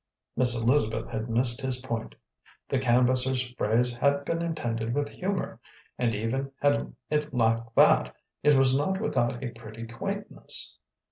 Miss Elizabeth had missed his point: the canvasser's phrase had been intended with humour, and even had it lacked that, it was not without a pretty quaintness.